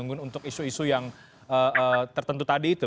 untuk isu isu yang tertentu tadi itu